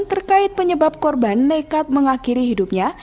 terkait penyebab korban nekat mengakhiri hidupnya